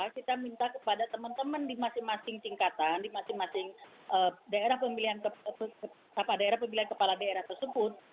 kita minta kepada teman teman di masing masing tingkatan di masing masing daerah pemilihan kepala daerah pemilihan kepala daerah tersebut